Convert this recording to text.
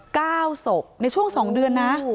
ก้าวศกในช่วง๒เดือนน่ะ